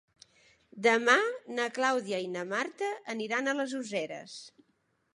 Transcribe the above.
Demà na Clàudia i na Marta aniran a les Useres.